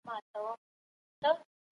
که علم تعریف سي پوهیدل پرې اسانه کیږي.